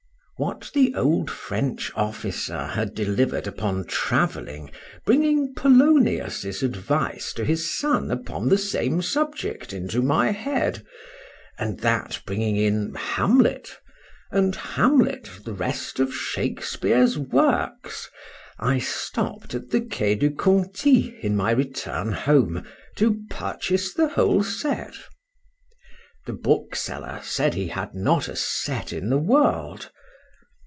WHAT the old French officer had delivered upon travelling, bringing Polonius's advice to his son upon the same subject into my head,—and that bringing in Hamlet, and Hamlet the rest of Shakespeare's works, I stopp'd at the Quai de Conti in my return home, to purchase the whole set. The bookseller said he had not a set in the world.